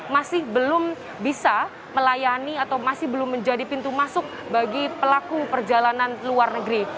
masih belum bisa melayani atau masih belum menjadi pintu masuk bagi pelaku perjalanan luar negeri